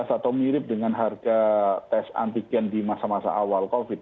atau mirip dengan harga tes antigen di masa masa awal covid